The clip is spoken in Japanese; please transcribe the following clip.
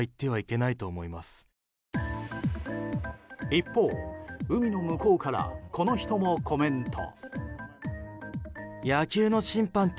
一方、海の向こうからこの人もコメント。